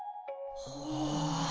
はあ。